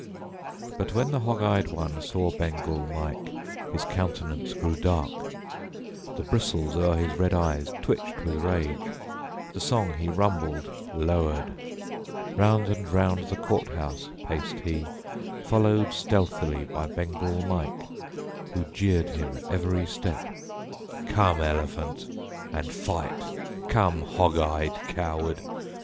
But when the hog eyed one Saw Bengal Mike his countenance grew dark, The bristles o'er his red eyes twitched with rage, The song he rumbled lowered. Round and round The court house paced he, followed stealthily By Bengal Mike, who jeered him every step: "Come, elephant, and fight! Come, hog eyed coward!